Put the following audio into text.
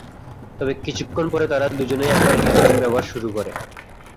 তবে কিছুক্ষণ পরে তারা দুজনেই আবার হেরোইন ব্যবহার শুরু করে।